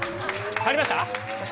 入りました？